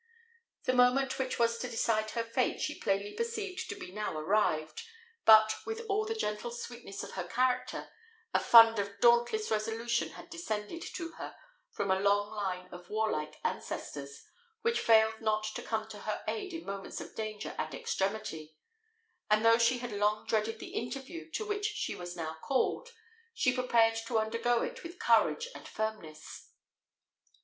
The moment which was to decide her fate she plainly perceived to be now arrived; but, with all the gentle sweetness of her character, a fund of dauntless resolution had descended to her from a long line of warlike ancestors, which failed not to come to her aid in moments of danger and extremity; and though she had long dreaded the interview to which she was now called, she prepared to undergo it with courage and firmness.